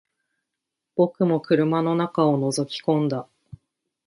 僕も車の中を覗き込んだ